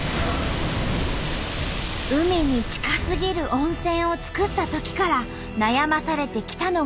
海に近すぎる温泉を作ったときから悩まされてきたのが台風。